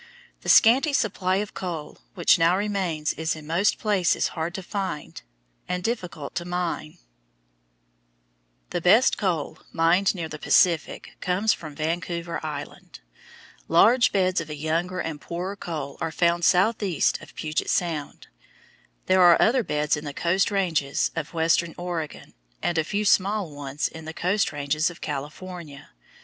The scanty supply of coal which now remains is in most places hard to find and difficult to mine. [Illustration: FIG. 108. SEAMS OF COAL ENCLOSED IN SANDSTONE, CALIFORNIA] The best coal mined near the Pacific comes from Vancouver Island. Large beds of a younger and poorer coal are found southeast of Puget Sound. There are other beds in the Coast ranges of western Oregon, and a few small ones in the Coast ranges of California.